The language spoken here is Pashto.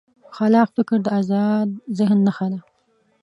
خلاق فکر د ازاد ذهن نښه ده.